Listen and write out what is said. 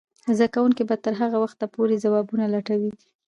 زده کوونکې به تر هغه وخته پورې ځوابونه لټوي.